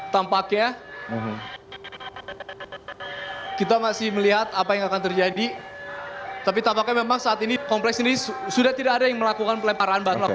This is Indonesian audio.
tampaknya kita masih melihat apa yang akan terjadi tapi tampaknya memang saat ini kompleks ini sudah tidak ada yang melakukan pelemparan bahan laku